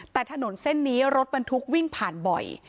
แต่ถนนเส้นนี้รถบรรทุกวิ่งผ่านบ่อย